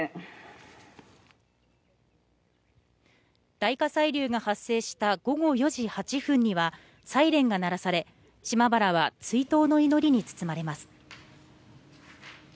大火砕流が発生した午後４時８分にはサイレンが鳴らされ島原は追悼の祈りに包まれます。